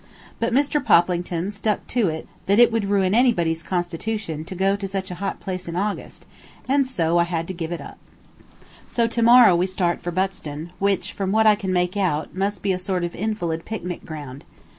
But Mr. Poplington stuck to it that it would ruin anybody's constitution to go to such a hot place in August, and so I had to give it up. So to morrow we start for Buxton, which, from what I can make out, must be a sort of invalid picnic ground.